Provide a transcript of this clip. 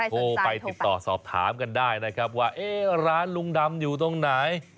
โทรไปติดต่อสอบถามกันได้นะครับว่าร้านลุงดำอยู่ตรงไหน